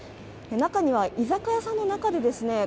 中には居酒屋さんの中でですね